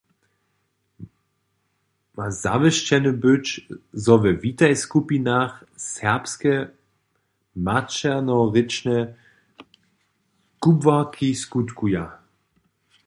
Ma zawěsćene być, zo we Witaj-skupinach serbske maćernorěčne kubłarki skutkuja.